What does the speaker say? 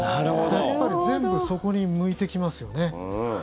やっぱり全部そこに向いてきますよね。